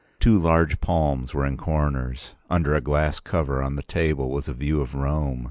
Two large palms were in corners. Under a glass cover on the table was a view of Rome.